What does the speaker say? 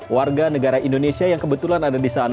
warga negara indonesia yang kebetulan ada di sana